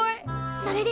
それで？